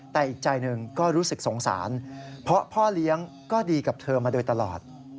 แต่อีกใจหนึ่งก็รู้สึกสงสารเพราะพ่อเลี้ยงก็ดีกับเธอมาโดยตลอด